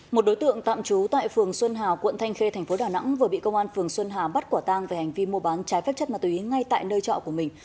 một đối tượng tạm trú tại phường xuân hà quận thanh khê tp đà nẵng vừa bị công an phường xuân hà bắt quả tang về hành vi mua bán trái phép chất ma túy ngay tại nơi trọ của mình